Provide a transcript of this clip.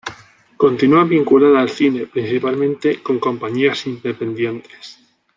Continúa vinculada al cine, principalmente con compañías independientes.